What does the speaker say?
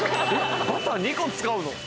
バター２個使うの？